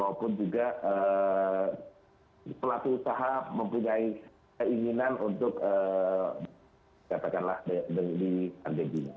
maupun juga pelaku usaha mempunyai keinginan untuk katakanlah di argentina